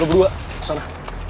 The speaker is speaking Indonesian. lo berdua sana